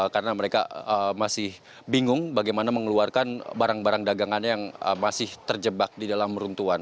karena mereka masih bingung bagaimana mengeluarkan barang barang dagangannya yang masih terjebak di dalam runtuhan